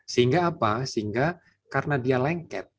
sehingga apa sehingga karena dia lengket